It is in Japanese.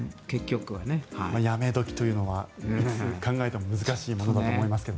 辞め時というのはいつ考えても難しいものだと思いますがね。